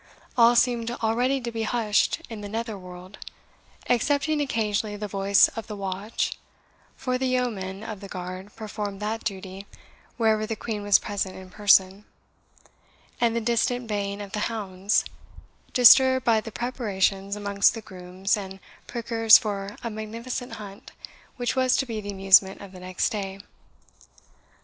All seemed already to be hushed in the nether world, excepting occasionally the voice of the watch (for the yeomen of the guard performed that duty wherever the Queen was present in person) and the distant baying of the hounds, disturbed by the preparations amongst the grooms and prickers for a magnificent hunt, which was to be the amusement of the next day.